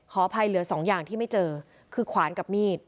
อภัยเหลือสองอย่างที่ไม่เจอคือขวานกับมีด